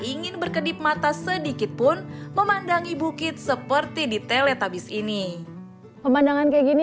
ingin berkedip mata sedikit pun memandangi bukit seperti di teletabis ini pemandangan kayak gini